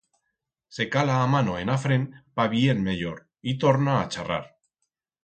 Se cala a mano en a frent pa vier mellor y torna a charrar.